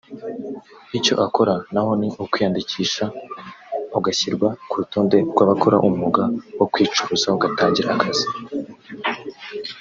icyo ukora naho ni ukwiyandikisha ugashyirwa ku rutonde rw’ abakora umwuga wo kwicuruza ugatangira akazi